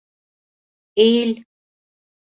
Eğil.